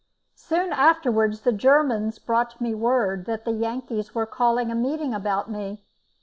Soon afterwards the Germans brought me word that the Yankees were calling a meeting about me.